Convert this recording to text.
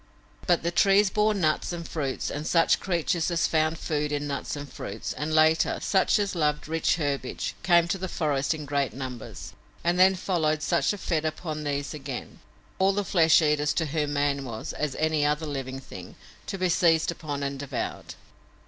But the trees bore nuts and fruits, and such creatures as found food in nuts and fruits, and, later, such as loved rich herbage, came to the forest in great numbers, and then followed such as fed upon these again, all the flesh eaters, to whom man was, as any other living thing, to be seized upon and devoured.